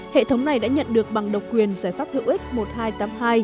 hệ thống này đã nhận được bằng độc quyền giải pháp hữu ích một nghìn hai trăm tám mươi hai